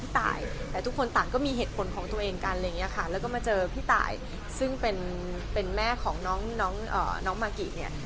แต่ทุกคนต่างก็มีเหตุผลของตัวเองกันแล้วก็มาเจอพี่ตายซึ่งเป็นแม่ของน้องมากกี้เนี่ย